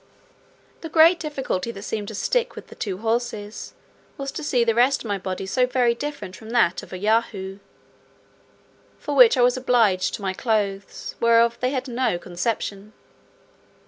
The great difficulty that seemed to stick with the two horses, was to see the rest of my body so very different from that of a Yahoo, for which I was obliged to my clothes, whereof they had no conception.